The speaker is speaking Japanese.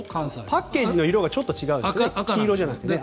パッケージの色がちょっと違うんですよね